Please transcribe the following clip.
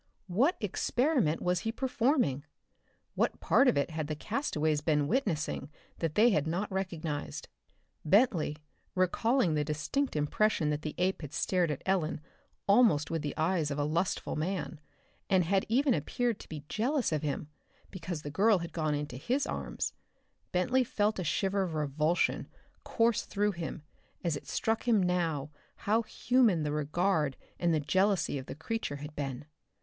What experiment was he performing? What part of it had the castaways been witnessing that they had not recognized? Bentley, recalling the distinct impression that the ape had stared at Ellen almost with the eyes of a lustful man, and had even appeared to be jealous of him because the girl had gone into his arms Bentley felt a shiver of revulsion course through him as it struck him now how human the regard and the jealousy of the creature had been!